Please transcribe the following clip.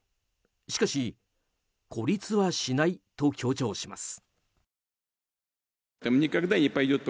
しかし、孤立はしないと強調します。